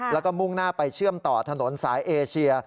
แล้วก็มุ่งหน้าไปเชื่อมต่อถนนสายเอเชีย